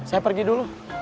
terus setiap kali kita bertemu